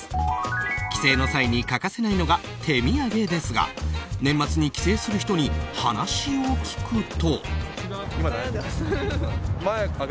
帰省の際に欠かせないのが手土産ですが年末に帰省する人に話を聞くと。